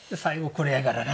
これやからな。